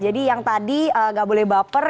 jadi yang tadi gak boleh baper